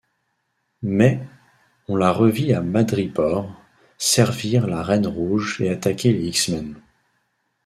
Mais on la revit à Madripoor servir la Reine Rouge et attaquer les X-Men.